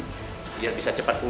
kurang seperti kamu